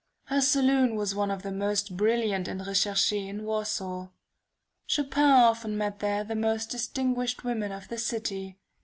Her saloon was one of the most brilliant and RECHERCHE in Warsaw. Chopin often met there the most distinguished women of the city.